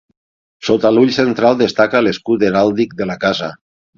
Sota l'ull central destaca l'escut heràldic de la casa.